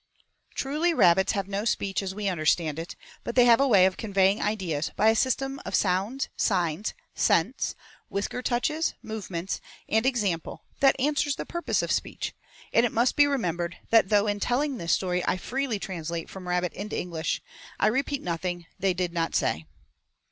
Truly rabbits have no speech as we understand it, but they have a way of conveying ideas by a system of sounds, signs, scents, whisker touches, movements, and example that answers the purpose of speech; and it must be remembered that though in telling this story I freely translate from rabbit into English, I repeat nothing that they did not say.